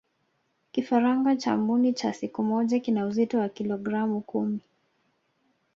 kifaranga cha mbuni cha siku moja kina uzito wa kilogramu kumi